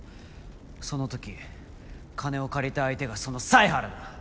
そのとき金を借りた相手がその犀原だ。